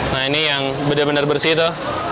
nah ini yang benar benar bersih itu